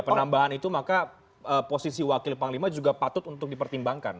penambahan itu maka posisi wakil panglima juga patut untuk dipertimbangkan